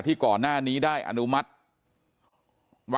ก็คือเป็นการสร้างภูมิต้านทานหมู่ทั่วโลกด้วยค่ะ